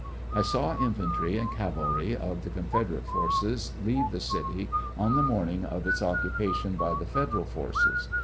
I saw infantry and cavalry of the Confedorate forces leave the city on the morning of its occupation by the Federal forces.